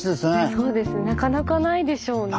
そうですねなかなかないでしょうね。